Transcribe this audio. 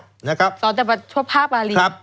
ต่อแต่บัตรชวภาพอารี